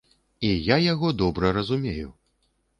І я яго добра разумею.